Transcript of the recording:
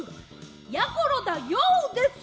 やころだＹＯ！です。